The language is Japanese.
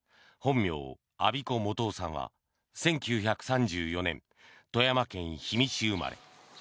本名・安孫子素雄さんは１９３４年富山県氷見市生まれ。